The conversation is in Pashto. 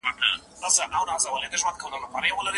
شاګرده په خپلو څېړنیزو چارو کي له بشپړې روڼتیا کار واخله.